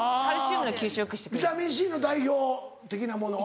ビタミンＣの代表的なものは？